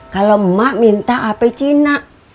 kalau emak minta hp cina